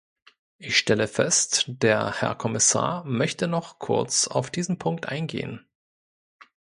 Ich stelle fest, der Herr Kommissar möchte noch kurz auf diesen Punkt eingehen.